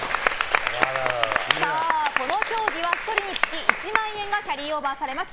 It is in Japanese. この競技は１人につき１万円がキャリーオーバーされます。